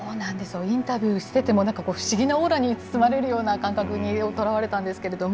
インタビューしてても、なんか不思議なオーラに包まれるような感覚にとらわれたんですけれども。